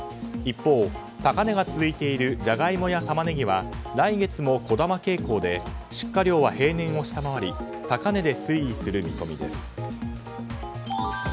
一方、高値が続いているジャガイモやタマネギは来月も小玉傾向で出荷量は平年を下回り高値で推移する見込みです。